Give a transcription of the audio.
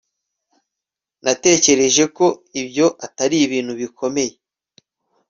natekereje ko ibyo atari ibintu bikomeye